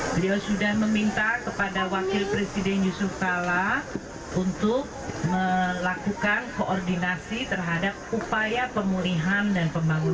beliau sudah meminta kepada wakil presiden yusuf kala untuk melakukan koordinasi terhadap upaya pemulihan dan pembangunan